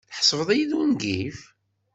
Tḥesbeḍ-iyi d ungif?